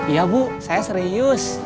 iya bu saya serius